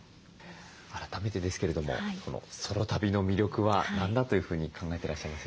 改めてですけれどもこのソロ旅の魅力は何だというふうに考えてらっしゃいますでしょうか？